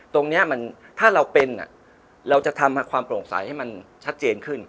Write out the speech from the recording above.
ตรงนี้ถ้าเราเป็นเราจะทำความโปร่งใสให้มันชัดเจนขึ้น